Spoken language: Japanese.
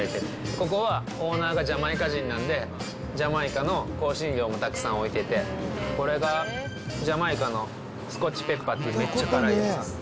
ここはオーナーがジャマイカ人なんで、ジャマイカの香辛料もたくさん置いてて、これがジャマイカのスコッチペッパーっていう、めっちゃ辛いやつです。